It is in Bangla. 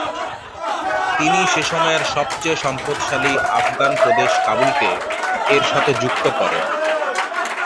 তিনি সেসময়ের সবচেয়ে সম্পদশালী আফগান প্রদেশ কাবুলকে এর সাথে যুক্ত করেন।